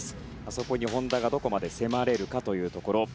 そこに本多がどこまで迫れるかというところ。